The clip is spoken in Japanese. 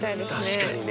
確かにね。